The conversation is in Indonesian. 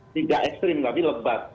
tidak ekstrim tapi lebat